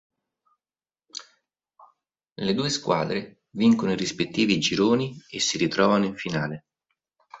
Le due squadre vincono i rispettivi gironi e si ritrovano in finale.